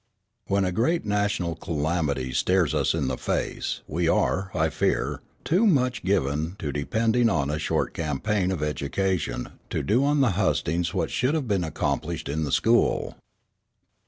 When a great national calamity stares us in the face, we are, I fear, too much given to depending on a short "campaign of education" to do on the hustings what should have been accomplished in the school.